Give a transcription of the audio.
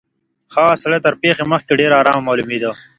هغه سړی تر پېښي مخکي ډېر آرامه معلومېدی.